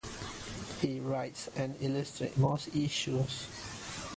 He writes and illustrates most issues.